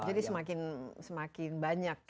jadi semakin semakin banyak ya